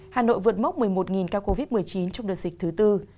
hà nội vượt mốc một mươi một ca covid một mươi chín trong đợt dịch thứ tư